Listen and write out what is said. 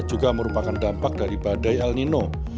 juga merupakan dampak dari badai el nino